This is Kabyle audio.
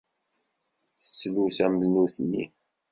Tettlus am nutni.